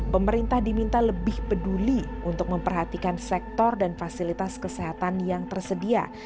pemerintah diminta lebih peduli untuk memperhatikan sektor dan fasilitas kesehatan yang tersedia